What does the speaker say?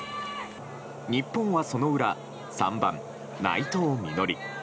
日本はその裏３番、内藤実穂。